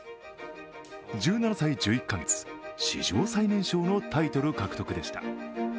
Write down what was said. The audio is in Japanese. １７歳１１か月、史上最年少のタイトル獲得でした。